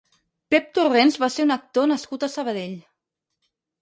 Pep Torrents va ser un actor nascut a Sabadell.